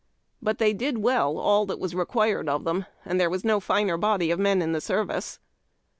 But they did well all that was required of them, and there was no tiner body of men in the service.